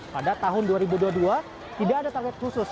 pada tahun dua ribu dua puluh dua tidak ada target khusus